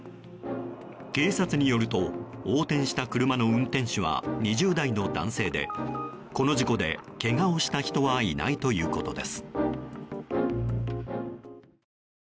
警察によると横転した車の運転手は２０代の男性でこの事故でけがをした人はいないということです。